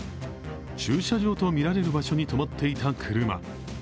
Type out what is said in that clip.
駐車場とみられる場所に止まっていた車。